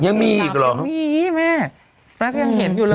ยังมีอีกเหรอมีแม่ตั๊กยังเห็นอยู่เลย